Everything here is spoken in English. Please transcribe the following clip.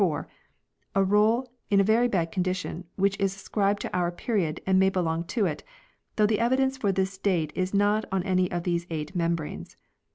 4, a roll in very bad condition which is ascribed to our period and may belong to it ; though the evidence for the date is not on any of these eight membranes.